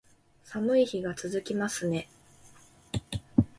寒い日が続きますね